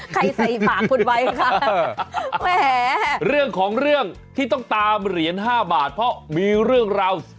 ใส่ฝากคุณไว้คะแหมเรื่องของเรื่องที่ต้องตามเหรียญ๕บาทเพราะมีเรื่องราว